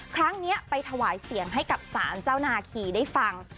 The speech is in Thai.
ครั้งนี้ไปถวายเสียงให้กับสารเจ้านาคีได้ฟัง